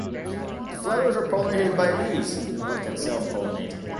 The flowers are pollinated by bees, but can self-pollinate.